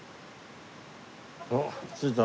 あっ着いた？